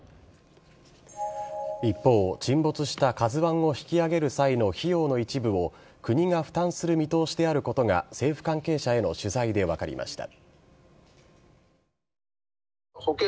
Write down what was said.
一方、沈没した「ＫＡＺＵ１」を引き揚げる際の費用の一部を国が負担する見通しであることが政府関係者への取材で分かりました。